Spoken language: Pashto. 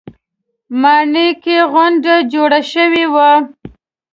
ماڼۍ کې غونډه جوړه شوې وه.